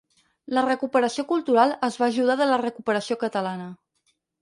La recuperació cultural es va ajudar de la recuperació catalana.